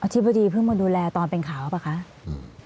ธิบดีเพิ่งมาดูแลตอนเป็นข่าวหรือเปล่าคะ